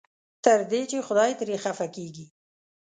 تر دې چې خدای ترې خفه کېږي.